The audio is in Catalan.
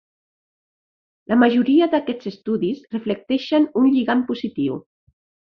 La majoria d'aquests estudis reflecteixen un lligam positiu.